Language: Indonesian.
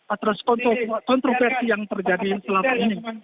atas kontroversi yang terjadi selama ini